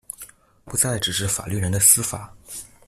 不再只是法律人的司法